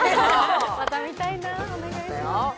また見たいな、お願いします。